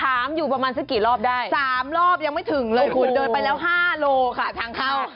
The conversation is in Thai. อยู่ประมาณสักกี่รอบได้๓รอบยังไม่ถึงเลยคุณเดินไปแล้ว๕โลค่ะทางเข้า